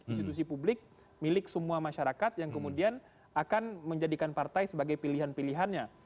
institusi publik milik semua masyarakat yang kemudian akan menjadikan partai sebagai pilihan pilihannya